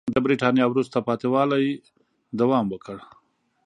د برېټانیا وروسته پاتې والي دوام وکړ.